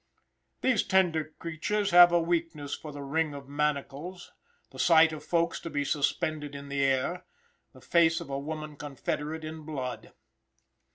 These tender creatures have a weakness for the ring of manacles, the sight of folks to be suspended in the air, the face of a woman confederate in blood.